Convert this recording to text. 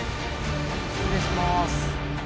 失礼します。